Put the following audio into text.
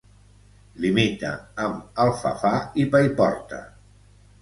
Limita amb Alfafar i Paiporta.